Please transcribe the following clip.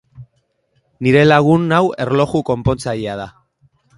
Nire lagun hau erloju konpontzailea da.